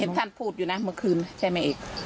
เห็นท่านพูดอยู่นะเมื่อคืนใช่ไหม